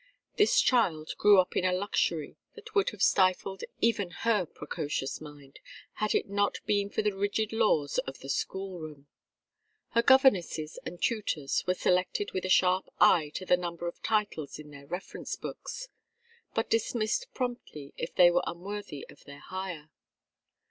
This child grew up in a luxury that would have stifled even her precocious mind had it not been for the rigid laws of the school room. Her governesses and tutors were selected with a sharp eye to the number of titles in their reference books, but dismissed promptly if they were unworthy of their hire.